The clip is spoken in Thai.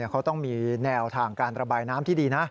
เขาต้องมีแนวทางการระบายน้ำที่ดีนะ